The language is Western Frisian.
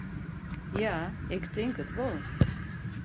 Ja, ik tink it wol.